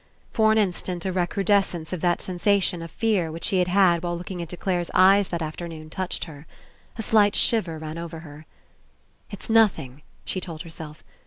For an instant a recrudescence of that sensa tion of fear which she had had while looking into Clare's eyes that afternoon touched her. A slight shiver ran over her. "It's nothing," she told herself.